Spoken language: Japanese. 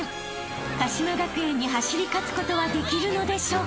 ［鹿島学園に走り勝つことはできるのでしょうか？］